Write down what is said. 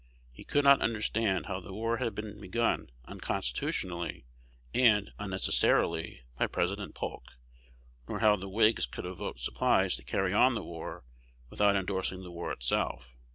He could not understand how the war had been begun unconstitutionally and unnecessarily by President Polk, nor how the Whigs could vote supplies to carry on the war without indorsing the war itself.